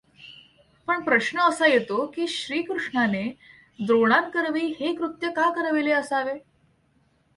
पण प्रश्न असा येतो की, श्रीकृष्णाने द्रोणांकरवी हे कृत्य का करविले असावे?